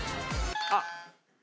あっ。